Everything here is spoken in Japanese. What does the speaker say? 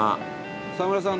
澤村さん。